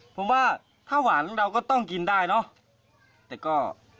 ผมว่าข้าวหวานเราก็ต้องกินได้เนอะแต่ก็